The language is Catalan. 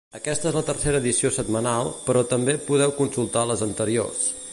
Aquesta és la tercera edició setmanal, però també podeu consultar les anteriors.